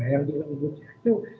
yang dilengguk itu